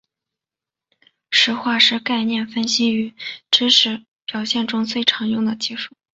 实化是概念分析与知识表示中最常用的技术。